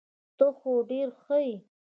ته خو ډير ښه يي .